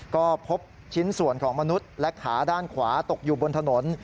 ก็พบชิ้นส่วนของมนุษย์และขาด้านขวาตกอยู่บนถนน